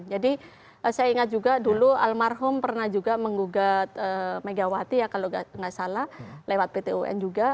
jadi saya ingat juga dulu almarhum pernah juga menggugat megawati ya kalau nggak salah lewat pt un juga